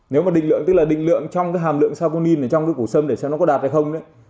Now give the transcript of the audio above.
nếu mà định lượng tức là định lượng trong cái hàm lượng saponin ở trong cái củ sâm để xem nó có đạt hay không đấy